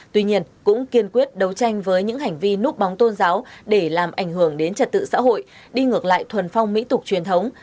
tuy nhiên cũng kiên quyết đấu tranh với những hành vi núp bóng tôn giáo để làm ảnh hưởng đến trật tự xã hội đi ngược lại thuần phong mỹ tục truyền thống